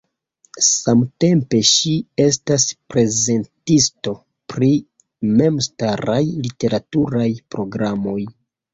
Samtempe ŝi estas prezentisto pri memstaraj literaturaj programoj.